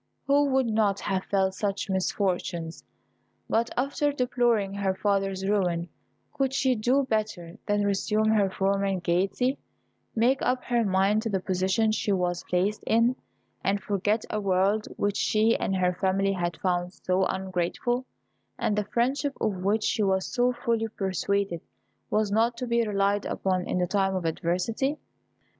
who would not have felt such misfortunes. But, after deploring her father's ruin, could she do better than resume her former gaiety, make up her mind to the position she was placed in, and forget a world which she and her family had found so ungrateful, and the friendship of which she was so fully persuaded was not to be relied upon in the time of adversity?